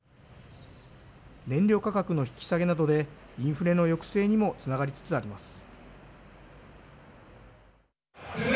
燃料価格の引き下げなどでインフレの抑制にもつながりつつあります。